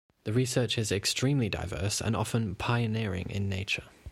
The research is extremely diverse and often pioneering in nature.